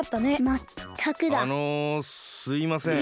あのすいません。